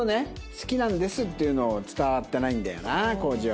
「好きなんです」っていうのを伝わってないんだよなコージは。